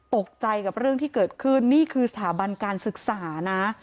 ตกใจกับเรื่องที่เกิดขึ้นนี่คือสถาบันการศึกษานะ